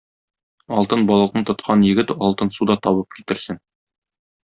Алтын балыкны тоткан егет алтын су да табып китерсен.